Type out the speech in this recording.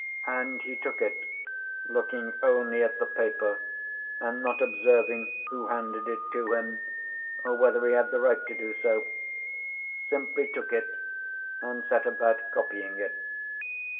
And he took it, looking only at the paper and not observing who handed it to him, or whether he had the right to do so; simply took it, and set about copying it.